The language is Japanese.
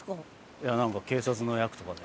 いやなんか警察の役とかで。